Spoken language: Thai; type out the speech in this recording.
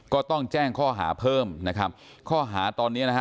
ก็ต้องแจ้งข้อหาเพิ่มนะครับข้อหาตอนเนี้ยนะฮะ